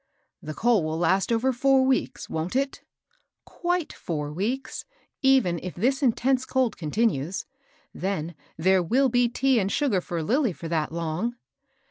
"The coal will last over four weeks, wont it?" " Quite four weeks, even if this intense cold continues. Then there will be tea and sugar for Lilly for that long."